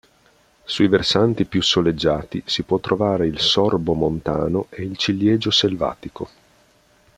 Sui versanti più soleggiati si può trovare il sorbo montano e il ciliegio selvatico.